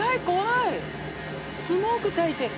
スモークたいて。